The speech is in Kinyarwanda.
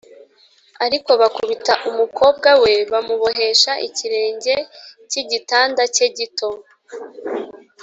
ariko bakubita umukobwa we bamubohesha ikirenge cy'igitanda cye gito;